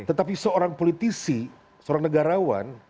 tetapi seorang politisi seorang negarawan